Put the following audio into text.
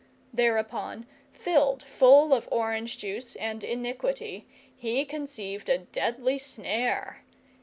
Thereupon, filled full of orange juice and iniquity, he conceived a deadly snare.